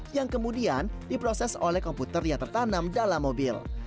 yang kemudian diproses oleh komputer yang tertanam dalam mobil